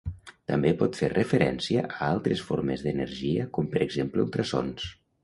També pot fer referència a altres formes d'energia com per exemple ultrasons.